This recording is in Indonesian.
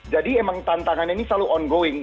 jadi emang tantangannya ini selalu on going